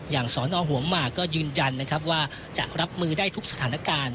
สอนอหัวหมากก็ยืนยันนะครับว่าจะรับมือได้ทุกสถานการณ์